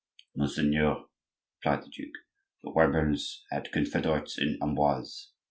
"Monseigneur," replied the duke, "the rebels had confederates in Amboise.